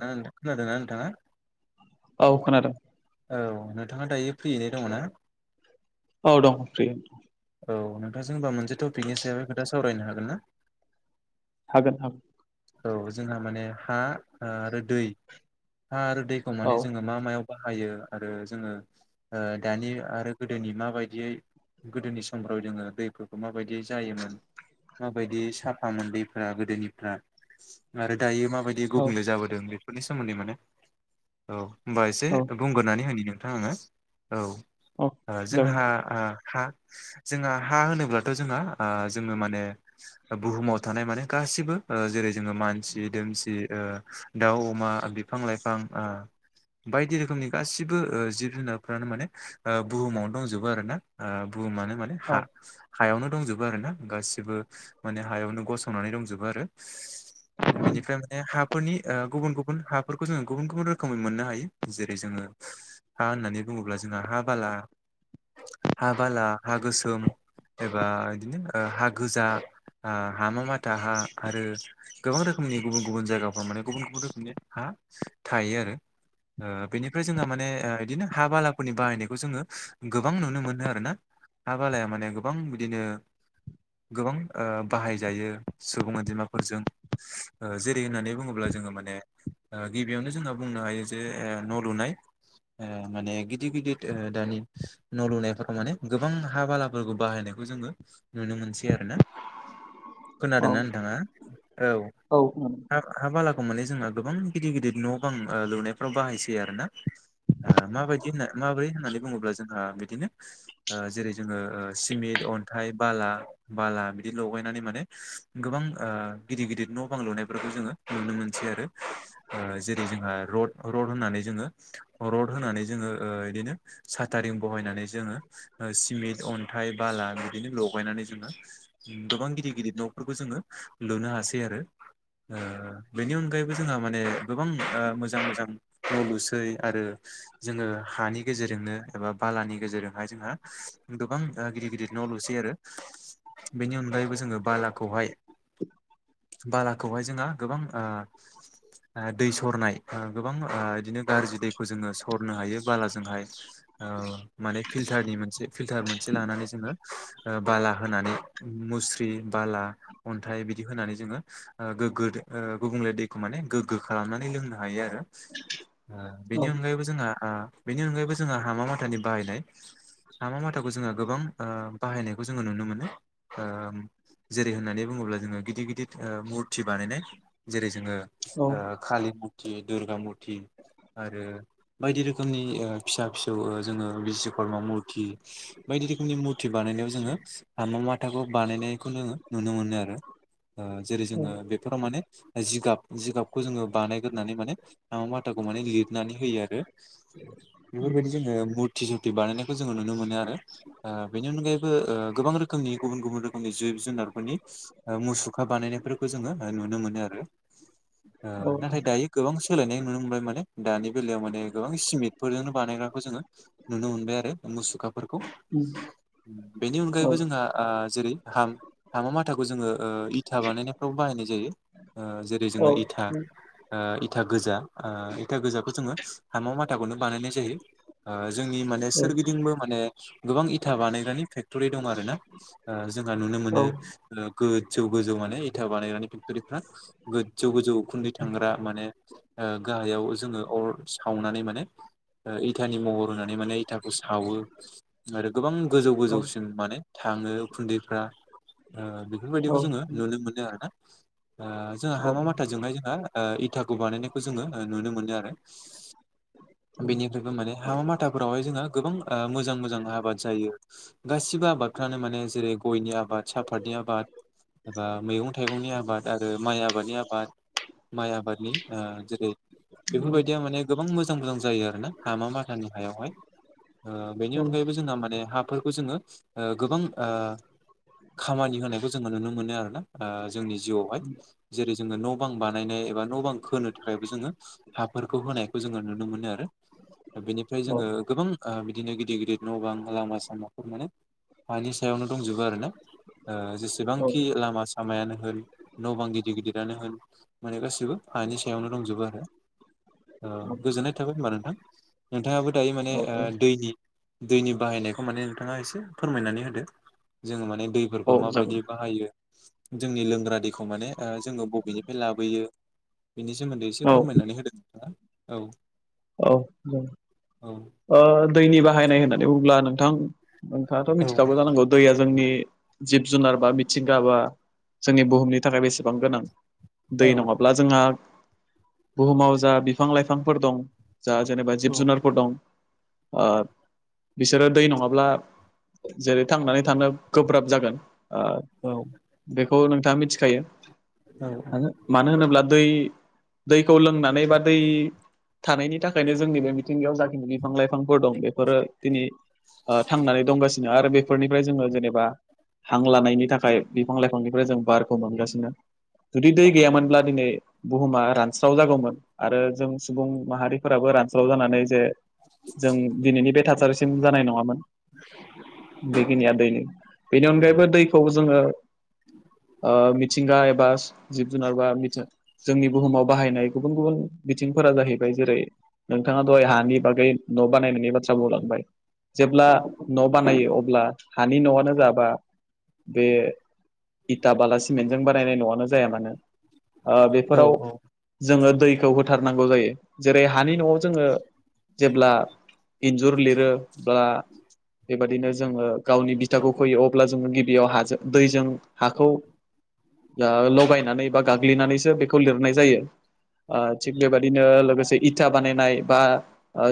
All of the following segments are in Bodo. खोनादों नोंथाङा? औ खोनादों। औ नोंथाङा दायो फ्रियैनो दङ ना? औ दं फ्रि औ नोंथांजों होमबा मोनसे टपिकनि सायाव खोथा सावरायनो हागोन ना? हागोन हागोन। औ जोंहा माने हा आरो दै हा आरो दैखौ औ माने जोङो मा मायाव बाहा यो आरो जोङो ओ दानि आरो गोदोनि मा बायदियै गोदोनि स समफ्राव जोङो दैफोरखौ माबायदि जायोमोन। माबायदि साफा मोन दैफ्रा गोदोनिफ्रा आरो दायो मा माबायदि औ गुबुंले जाबोदों बेफोरनि सोमोन्दै माने औ होमबा एसे औ बुंग्रोनानै होनि नों। नोंथां औ औ जोंङो जागोन दे हा जोंहा हा होनोब्लाथ' जोंहा ओ जोङो माने बुहुमाव थानाय माने गासिबो ओ जेरै। जोङो मानसि दोमसि ओ दाउ अमा बिफां लाइफां बायदि रोखोमनि गासिबो ओ जिब जुनारफ्रानो माने ओ बुहुमावनो दंजोबो आरोना ओ बुहुमानो माने औ हा हायावनो दंजोबो आरो ना गासिबो माने हायावनो गसंनानै दंजोबो आरो बेनिफ्राय माने हाफोरनि ओ गुबुन गुबुन हाफोरखौ जोङो गुबुन गुबुन रोखोमै मोननो हायो जेरै जोङो हा होननानै बुङोब्ला जोंहा हा बाला हा बाला हा गोसो सोम एबा बिदिनो हा गोजा हामा माथा हा आरो गोबां रोखोमनि गुबुन गुबुन जायगाफ्राव माने गुबुन गुबुन रोखोमनि हा थायो आरो ओ बेनिफ्राय जोंहा माने बिदिनो हा बालाफोरनि बाहायनायखौ जोङो गोबां नुनो मोनो आरोना हा बालाया माने गोबां बिदिनो गोबां ओ बाहायजायो सुबुं अनजिमाफोरजों जेरै होननानै बुङोब्ला जोङो माने गिबियावनो जोंहा बुंनो हायो जे न' लुनाय माने गिदिर गिदिर ओ दानि न' लुनायफोराव माने गोबां हा बालाफोरखौ बाहायनायखौ जोङो नुनो मोनसै आरोना औ खोनादों ना नोंथाङा औ हा हा बाला खौ माने जोंहा गोबां गिदिर गिदिर न' बां ओ लुनायफ्राव बाहायसैयो आरो ना माबायदि होननाय माबोरै होननानै बुङोब्ला जोंहा बिदिनो ओ जेरै जोङो सिमेन्ट अन्थाइ बाला बाला बिदि लगायनानै माने गोबां ओ गिद गिदिर न' बां लुनायफोरखौ जोङो नुनो मोनसै आरो जेरै जोंहा रड रड होनानै जोङो रड होनानै जोङो ओ बिदिनो साथारिं बहायनानै जोङो सिमेन्ट अन्थाइ बाला बिदिनो लगायनानै जोङो गोबां गिदिर गिदिर न'फोरखौ जोङो लुनो हासै आरो ओ बेनि अनगायैबो जोंहा माने गोबां ओ मोजां मोजां न' लुसै आरो जोङो हानि गेजेरजोंनो एबा बालानि गेजेरजोंहाय जोंहा गोबां गिदिर गिदिर न' लुसै आरो बेनि अनगायैबो जोङो बालाखौहाय बालाखौहाय जोंहा गोबां ओ दै सरनाय गोबां ओ बिदिनो गाज्रि दैखौ जोङो सर नो हायो बालाजोंहाय ओ माने फिलटारनि मोनसे फिलटार मोनसे लानानै जोङो ओ बाला होनानै मुस्रि बाला अन्थाइ बिदि होनानै जोङो गुबुंले दैखौ माने गोग्गो खालामनानै लोंनो हायो आरो ओ औ बेनि अनगायैबो जोंहा ओ बेनि अनगायैबो जोंहा हामा माथानि बाहायनाय हामा माथाखौ जोङो गोबां ओ बाहायनायखौ जोङो नुनो मोनो ओ जेरै होननानै बुङोब्ला जोङो गिदिर गिदिर ओ मुरथि बानायनाय जेरै जोङो औ ओ कालिमुरथि दुरगा मुरथि आरो बायदि रोखोमनि ओ फिसा फिसौ जोङो बिस्वकर्मा मुरथि मुरथि बायदि रोखोमनि मुरथि बानायनायाव जोङो हामा माथाखौ बानायनायखौ जोङो नुनो मोनो आरो ओ जेरै जोङो बेफोराव माने जिगाब जिगाबखौ जोङो बानायग्रोनानै माने हामा माथाखौ माने लिरनानै होयो आरो बेफोरबायदि औ जोङो मुरथि सुरथि बानायनाय खौ जोङो नुनो मोनो आरो ओ बेनि अनगायैबो गोबां रोखोमनि गुबुन गुबुन रोखोमनि जिब जुनारफोरनि ओ मुसुखा बानायनायफोरखौ जोङो नुनो मोनो आरो ओ नाथाय दायो गोबां सोलायनाय नुनो मोनबाय माने दानि बेलायाव माने गोबां सिमेन्टफोरजोंनो बानाय नायखौ जोङो नुनो मोनबाय आरो मुसुखाफोरखौ बेनि औ अनगायैबो जोंहा ओ जेरै हां हामा माथाखौ जोङो इथा बानायनायफ्राव बाहायनाय जायो जेरै जोङो औ इथा औ ओ इथा गोजा इथा गोजाखौ जोङो हाम' माथाखौनो बानायनाय जायो जोंनि माने जागोन सोरगिदिंबो माने गोबां इथा बानायग्रानि फेक्टरि दं आरो ना ओ जोंहा नुनो औ मोनो गोजौ गोजौ माने इथा बानायग्रानि फेक्ट'रिफ्रा गोजौ गोजौ उखुन्दै थांग्रा माने ओ गाहायाव जोङो अर सावनानै माने इथानि महर होनानै माने इथाखौ सावो आरो गोबां गोजौ ओ गोजौसिम माने थाङो उखुन्दैफ्रा ओ बेफोरबायदिखौ जोङो दैनि नुनो मोनो आरो ना ओ जोंहा हामा माथाजोंहाय जोंहा ओ इथाखौ बानायनायखौ जोङो नुनो मोनो आरो बेनिफ्रायबो माने हाबा माथाफोरावहाय जोंहा गोबां मोजां मोजां आबाद जायो गासिबो आबादफ्रानो माने जेरै गयनि आबाद सा- फाथनि आबादनि एबा मैगं थाइगंनि आबाद आरो माइ आबादनि आबाद माइ आबादनि ओ जेरै बेफोरबायदिया माने गोबां मोजां मोजां जायो आरो ना हामा माथानि हायावहाय ओ बेनि अनगायैबो जोंहा माने हाफोरखौ जोङो ओ गोबां ओ खामानि होनायखौ जोङो नुनो मोनो आरोना ओ जोंनि जिउआवहाय जेरै जोङो न' बां बानायनाय एबा न' बां खोनो थाखायबो जोङो हाफोरखौ होनायखौ जोङो नुनो मोनो आरो बेनिफ्राय जोङो गोबां बिदिनो गिदिर गिदिर न' बां लामा सामाफोर माने हानि सायावनो दंजोबो आरो ना ओ जेसेबांखि लामा सा- यानो होन न' बां गिदिर गिदिरानो होन माने गासैबो हानि सायावनो दंजोबो आरो औ गोजोननाय थाबाय होनबा नोंथां नोंथाङाबो दायो माने ओ दैनि दैनि बाहायनायखौ माने नोंथाङा एसे फोरमायनानै होदो जोङो माने दैफोरखौ माबायदि बाहायो जोंनि लोंग्रा दैखौ ओ माने जोङो बबेनिफ्राय लाबोयो बेनि सोमोन्दै एसे फोरमायनानै होदों नोंथाङा औ उम औ ओ दैनि बाहायनाय होननानै बुङोब्ला नोंथां नोंथाङाथ' औ मिथिखागौ जानांगौ दैया जोंनि जिब जुनार बा मिथिंगाबा जोंनि बुहुमनि थाखाय बेसेबां गोनां दै औ नङाब्ला जोंहा बुहुमाव जा बिफां लाइफांफोर दं जा जेनेबा जिब औ जुनारफोर दं बिसोरो दै नङाब्ला जेरै थांनानै थानो गोब्राब जागोन औ बेखौ नोंथाङा मिथिखायो औ मानो होनोब्ला दै दैखौ लोंनानै बा दै थानायनि थाखायनो जोंनि बे मिथिंगायाव जाखिमनि बिफां लाइफांफोर दं बेफोरो दिनै थांनानै दंगासिनो आरो बे बेफोरनिफ्राय जोङो जेनेबा हां लानायनि थाखाय बिफां लाइफांनिफ्राय जों बारखौ मोनगासिनो जुदि दै गैयामोनब्ला दिनै बुहुमा रानस्राव जागौमोन आरो जों सुबुं माहारिफोराबो रानस्राव जानानै जे जों दिनैनि बे थासारिसिम जानाय नङामोन बेखिनिया दैनि बेनि अनगायैबो दैखौ जोङो मिथिंगा एबा जिब जुनार बा मि जोंनि बुहुमाव बाहायनाय गुबुन गुबुन बिथिंफोरा जाहैबाय जेरै नोंथाङा दहाय हानि बागै न' बानायनायनि बाथ्रा बुंलांबाय जेब्ला न' बानायो अब्ला हानि न'आनो जाबा बे इथा बाला सिमेन्टजों बानायनाय न'आनो जाया मानो औ बेफोराव जोङो दैखौ होथारनांगौ जायो जेरै हानि न'आव जोङो जेब्ला इन्जुर लिरोबोब्ला बेबायदिनो जोङो गावनि बिथाखौ फैयो अब्ला जोङो गिबियाव हाजों दैजों हाखौ दा लगायनानै बा गाग्लिनानैसो बेखौ लिरनाय जायो थिग बेबाददिनो लोगोसे इथा बानायनाय बा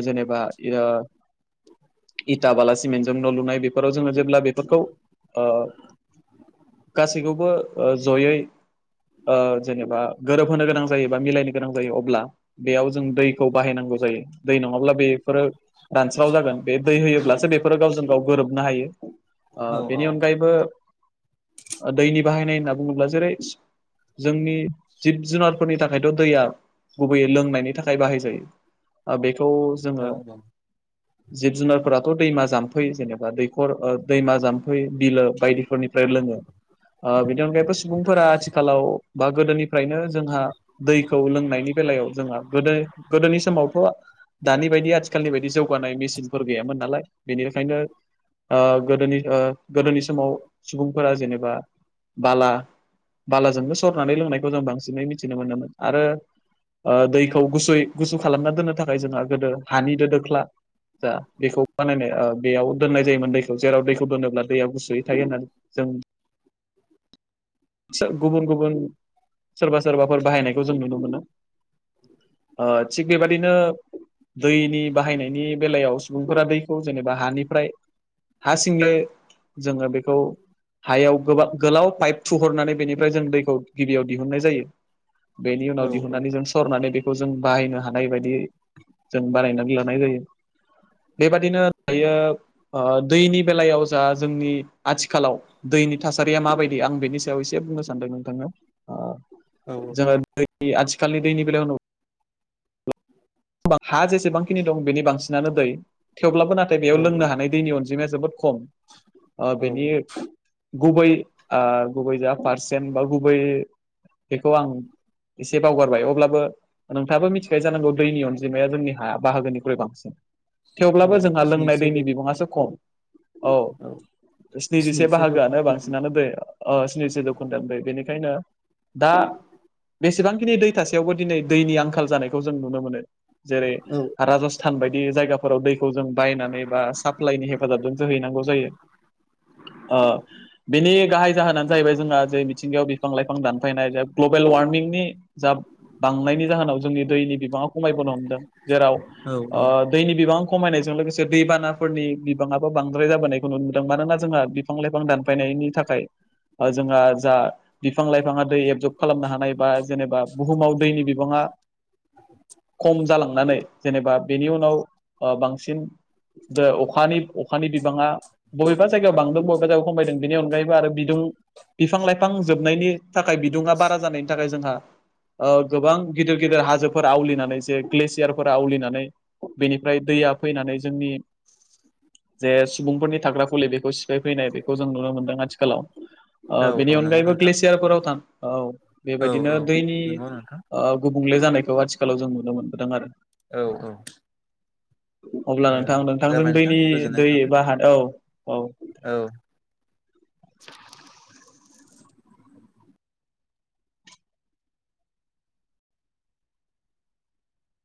जेनेबा इयो इटा बाला सिमेन्टजों न' लुनाय बेफोराव जोङो जेब्ला बेफोरखौ गासैखौबो जयै जेनेबा गोरोबहोनो गोनां जायो बा मिलायनो गोनां जायो अब्ला बेयाव जों दै खौ बाहायनांगौ जायो दै नङाब्ला बे बेफोरो दानस्राव जागोन बे दै होयोब्लासो बेफोरो गावजों गाव गोरोबनो हायो। औ बेनि अनगायैबो दैनि बाहायनाय होनना बुङोब्ला जेरै जोंनि जिब जुनारफोरनि थाखायथ' दैया गुबैयै लोंनायनि थाखाय बाहायजायो बेखौ जोङो जिब जुनारफोराथ' दैमा जाम्फै जेनेबा दैखर दैमा जाम्फै बिलो बायदिफोरनि लोङो बिनि अनगायैबो सुबुंफोरा आथिखालाव बा गोदोनिफ्रायनो जोंहा दैखौ लोंनायनि बेलायाव जोंहा गोदो गोदोनि समावथ' दानि बायदि आथिखालनि बायदि जौगानाय मेसिनफोर गैयामोन नालाय बेनिखायनो गोदोनि गोदोनि समाव सुबुंफोरा जेनेबा बाला बालाजोंनो सरनानै लोंनायखौ जों बांसिनै मिथिनो मोनोमोन आरो दैखौ गुस गुसु खालामना दोननो थाखाय जोंहा गोदो हानि दो दोख्ला जा बेखौ बानायनाय बेयाव दोननाय जायोमोन दैखौ जेराव दैखौ दोनोब्ला दैया गुसुयै थायो होननानै जों [unintelligible] गुबुन गुबुन सोरबा सोरबाफोर बाहायनायखौ जों नुनो मोनो। आ थिक बेबादिनो दैनि बाहायनायनि बेलायाव सुबुंफोरा दैखौ जेनेबा हानिफ्राय हा सिंले जोङो बेखौ हायाव गोब गोलाव पाइप थुहरनानै बेनिफ्राय जों दैखौ गिबियाव दिहुननाय जायो बेनि उनाव दिहुननानै जों सरनानै बे खौ जों बाहायनो हानाय बायदि जों बानायनानै लानाय जायो। बेबादिनो दायो दैनि बेलायाव जा जोंनि आथिखालाव दै दैनि थासारिया माबायदि आं बेनि सायाव एसे बुंनो सानदों नोंथांनो ओ औ जोंहा दै आथिखालनि दैनि बेलायावनो हा जेसेबांखिनि दं बेनि बांसिनानो दै थेवब्लाबो नाथाय बेयाव लोंनो औ हानाय दैनि अनजिमाया जोबोद खम ओ औ बेनि गुबै ओ गुबै जा पारसेन बा गुबैयै बेखौ आं एसे बावगारबाय अब्लाबो नोंथाङाबो मिथिखायो जानांगौ दैनि अन जिमाया जोंनि हाया बाहागोनिख्रुइ बांसिन थेवब्लाबो औ जोंहा लोंनाय स्निजिसे जौ दैनि बिबङासो खम औ। स्निजिसे बाहागोआनो बांसिनानो दै ओ स्निजिसे जौखोनदोआ ओमफाय बेनि खायनो दा बेसेबांखिनि दैथासेयावबो दिनै दैनि आंखाल जानायखौ जों नुनो मोनो जेरै औ राजस्थान बायदि जायगाफोराव दै खौ जों बायनानै बा साप्लाइनि हेफाजाबजों जोहैनांगौ जायो। ओ बिनि गाहाय जाहोनानो जाहैबाय जोंहा जे मिथिंगायाव बिफां-लाइफां दानफायनाय जा ग्लबेल वार्मिंनि जा थांनायनि जाहोनाव जोंनि दैनि बिबाङा खम जेराव औ ओ दैनि बिबां खमायनायजों लोगोसे दैबानाफोरनि बिबाङाबो बांद्राय जाबोयखौ नुनो मोनदों मानोना जोंहा बिफां-लाइफां दानफायनाय नि थाखाय जोंहा जा बिफां-लाइफाङा दै एबजब खालामनो हा नायबा जेनेबा बुहुमाव दैनि बिबाङा खम जालांनानै जेनेबा बेनि उनाव ओ बांसिन द अखानि अखानि बिबाङा बबेबा जायगायाव बांदों बबेबा जायगायाव खमायदों बेनि अनगायैबो आरो बिदुं बिफां-लाइफां जोबनायनि थाखाय बिदुङा बारा जानायनि थाखाय जोंहा ओ गोबां गिदिर गिदिर हाजोफोर आवलिनानै जे ग्लेसियारफोरा आउलिनानै बेनिफ्राय दैया फैनानै जोंनि जे सुबुंफोरनि थाग्रा खुलि बेखौ सिफायफैनाय बेखौ जों नुनो मोनदों आथिखालाव। औ ओ बेनि औ नंगौ अनगायैबो नोंथां ग्लेसियारफोराव था औ औ बेबायदिनो औ दैनि नंगौ नोंथां ओ गुबुंले जानायखौ आथिखालाव जों नुनो मोनबोदों आरो। औ औ अब्ला औ नोंथां नोंथांजों जाबाय नोंथां दैनि गोजोननाय दै थाबाय एबा हाद औ औ औ [inaudible]